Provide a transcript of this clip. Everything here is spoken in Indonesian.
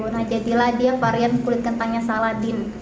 nah jadilah dia varian kulit kentangnya saladin